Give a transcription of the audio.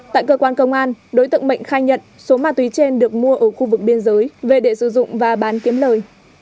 tại cơ quan công an đối tượng mạnh khai nhận số ma túy trên được mua ở khu vực biên giới về để sử dụng và bán kiếm lời